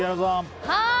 はい！